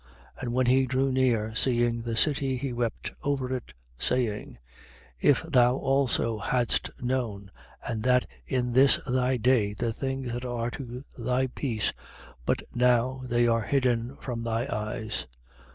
19:41. And when he drew near, seeing the city, he wept over it, saying: 19:42. If thou also hadst known, and that in this thy day, the things that are to thy peace: but now they are hidden from thy eyes.